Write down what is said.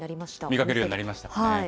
見かけるようになりましたかね。